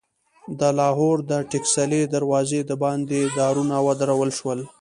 د لاهور د ټکسلي دروازې دباندې دارونه ودرول شول.